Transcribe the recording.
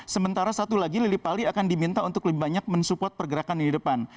sementara satu lagi lili pali akan diminta untuk lebih banyak mensupport pergerakan lini depan